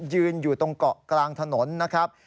ยืนอยู่ตรงเกาะกลางถนนนะครับ